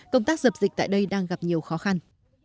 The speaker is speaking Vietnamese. công tác dập dịch tại đây đang gặp nhiều khó khăn